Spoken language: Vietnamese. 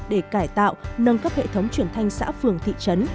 để cải tạo nâng cấp hệ thống truyền thanh xã phường thị trấn